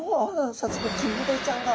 早速キンメダイちゃんが。